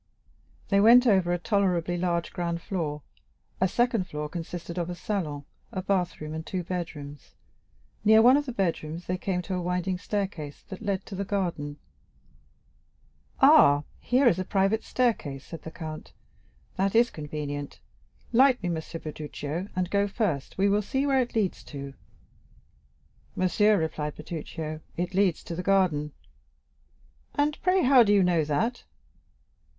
They went over a tolerably large ground floor; a first floor consisted of a salon, a bathroom, and two bedrooms; near one of the bedrooms they came to a winding staircase that led down to the garden. "Ah, here is a private staircase," said the count; "that is convenient. Light me, M. Bertuccio, and go first; we will see where it leads to." "Monsieur," replied Bertuccio, "it leads to the garden." "And, pray, how do you know that?"